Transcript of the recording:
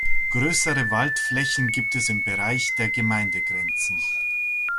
Größere Waldflächen gibt es im Bereich der Gemeindegrenzen.